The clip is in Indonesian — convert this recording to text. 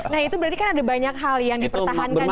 nah itu berarti kan ada banyak hal yang dipertahankan juga gitu kan